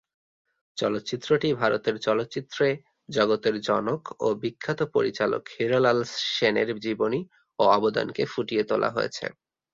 চলচ্চিত্রটি ভারতের চলচ্চিত্রে জগতের জনক ও বিখ্যাত পরিচালক হীরালাল সেনের জীবনী ও অবদানকে ফুটিয়ে তোলা হয়েছে।